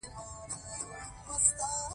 سارې ته ښه خبره هم بده ښکاري.